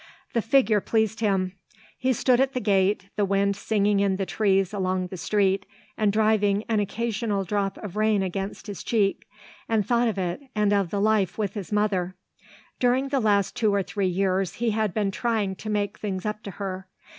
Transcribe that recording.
The figure pleased him. He stood at the gate, the wind singing in the trees along the street and driving an occasional drop of rain against his cheek, and thought of it and of his life with his mother. During the last two or three years he had been trying to make things up to her.